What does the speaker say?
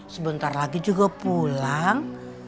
sebentar lagi juga pulang